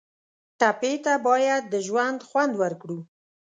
ټپي ته باید د ژوند خوند ورکړو.